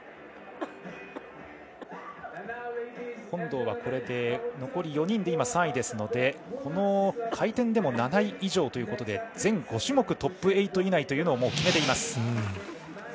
本堂がこれで残り４人で今３位ですのでこの回転でも７位以上ということで全５種目トップ８以内を決めています。